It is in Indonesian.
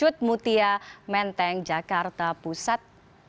dut mutia menteng jakarta pusat